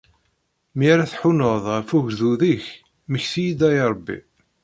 Mi ara tḥunneḍ ɣef ugdud-ik, mmekti-yi-d, a Rebbi!